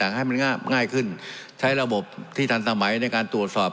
ให้มันง่ายขึ้นใช้ระบบที่ทันสมัยในการตรวจสอบ